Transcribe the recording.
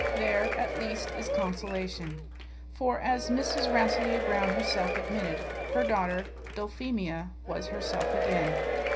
There, at least, is consolation. For, as Mrs. Rasselyer Brown herself admitted, her daughter, Dulphemia, was herself again.